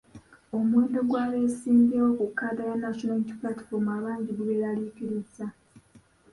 Omuwendo gw'abeesimbyewo ku kkaada ya National Unity Platform abangi gubeerariikiriza.